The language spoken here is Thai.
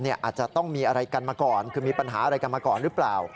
อาจจะต้องมีอะไรกันมาก่อนคือมีปัญหาอะไรกันมาก่อนหรือเปล่า